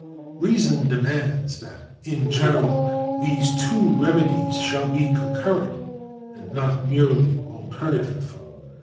Reason demands that in general these two remedies shall be concurrent, and not merely alternative.